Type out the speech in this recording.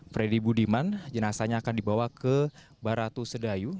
freddy budiman jenazahnya akan dibawa ke baratu sedayu